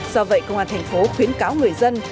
do vậy công an thành phố khuyến cáo người dân